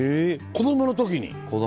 子供の時に。